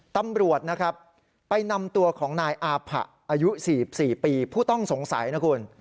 ตำรวจนะครับไปนำตัวของนายอาผะอายุ๔๔ปีผู้ต้องสงสัยนะคุณ